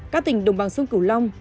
các tỉnh đồng bằng xuân cửu long